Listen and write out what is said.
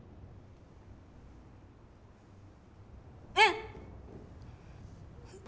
うん！